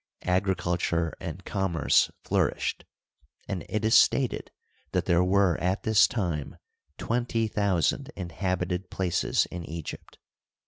Agriculture and commerce flourished, and it is stated that there were at this time twenty thousand inhabited places in Egypt.